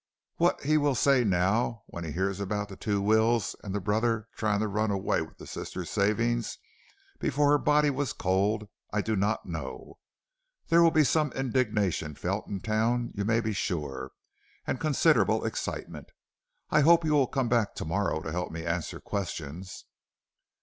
What he will say now, when he hears about the two wills and the brother trying to run away with his sister's savings, before her body was cold, I do not know. There will be some indignation felt in town you may be sure, and considerable excitement. I hope you will come back to morrow to help me answer questions.'